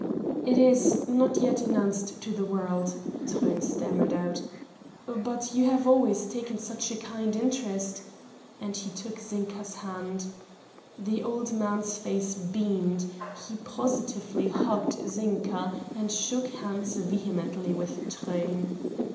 "It is not yet announced to the world," Truyn stammered out, "but you have always taken such a kind interest ..." and he took Zinka's hand. The old man's face beamed he positively hugged Zinka and shook hands vehemently with Truyn.